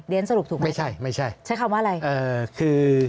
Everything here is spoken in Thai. เด้นสรุปถูกไหมใช้คำว่าอะไรไม่ใช่คือ